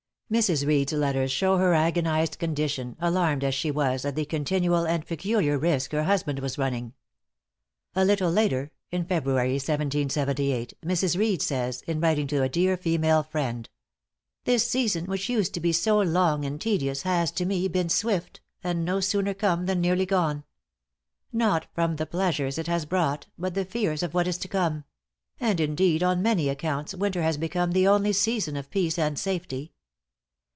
Mrs. Reed's letters show her agonized condition, alarmed as she was, at the continual and peculiar risk her husband was running. A little later (in February, 1778), Mrs. Reed says, in writing to a dear female friend: "This season which used to be so long and tedious, has, to me, been swift, and no sooner come than nearly gone. Not from the pleasures it has brought, but the fears of what is to come; and, indeed, on many accounts, winter has become the only season of peace and safety.